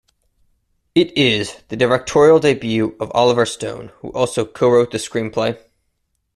It is the directorial debut of Oliver Stone, who also co-wrote the screenplay.